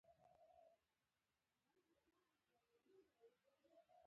د کرنې لېږد د مشارکت اړتیا زیاته کړه.